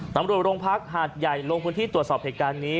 ตำรวจโรงพักหาดใหญ่ลงพื้นที่ตรวจสอบเหตุการณ์นี้